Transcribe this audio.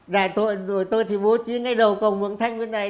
đại đội tôi thì bố trí ngay đầu cầu mường thanh bên này